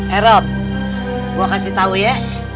herod gue kasih tau ye